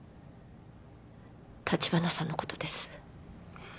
橘さんのことです